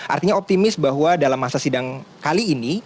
artinya optimis bahwa dalam masa sidang kali ini